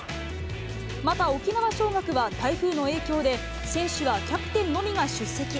また沖縄尚学は、台風の影響で、選手はキャプテンのみが出席。